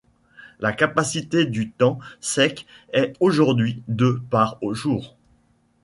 La capacité de temps sec est aujourd'hui de par jour.